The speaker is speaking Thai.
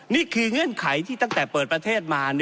เงื่อนไขที่ตั้งแต่เปิดประเทศมา